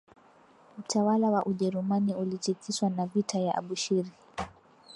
utawala wa Ujerumani ulitikiswa na vita ya Abushiri